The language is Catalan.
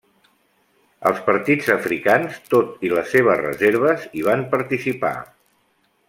Els partits africans, tot i les seves reserves hi van participar.